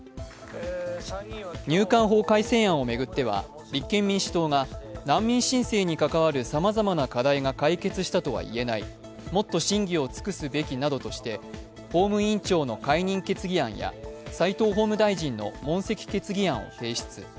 入管法改正案を巡っては立憲民主党が難民申請に関わるさまざまな課題が解決したとは言えない、もっと審議を尽くすべきなどとして法務委員長の解任決議案や齋藤法務大臣の問責決議案を提出。